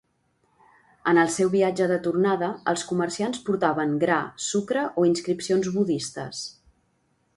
En el seu viatge de tornada, els comerciants portaven gra, sucre o inscripcions budistes.